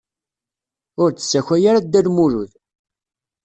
Ur d-ssakay ara Dda Lmulud.